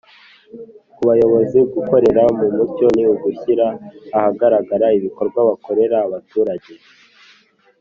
Ku bayobozi, gukorera mu mucyo ni ugushyira ahagaragara ibikorwa bakorera abaturage,